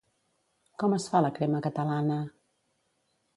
Com es fa la crema catalana?